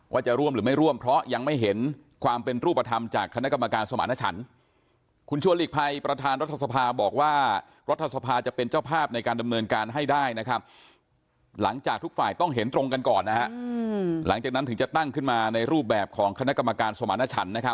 ว่าจะร่วมหรือไม่ร่วมเพราะยังไม่เห็นความเป็นรูปธรรมจากคณะกรมาการณ์สวมรณช์